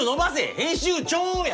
編集「長」や！